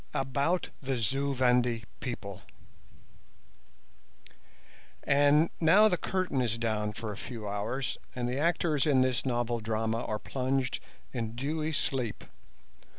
ABOUT THE ZU VENDI PEOPLE And now the curtain is down for a few hours, and the actors in this novel drama are plunged in dewy sleep.